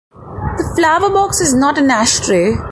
The flower box is not an ashtray!